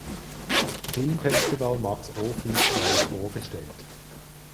Filmfestival Max Ophüls Preis vorgestellt.